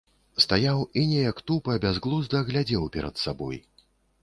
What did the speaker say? Стаяў і неяк тупа, бязглузда глядзеў перад сабой.